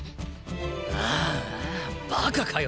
ああバカかよ